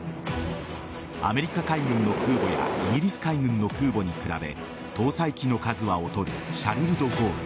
アメリカ海軍の空母やイギリス海軍の空母に比べ搭載機の数は劣る「シャルル・ド・ゴール」